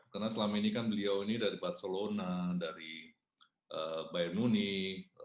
karena selama ini kan beliau ini dari barcelona dari bayern munich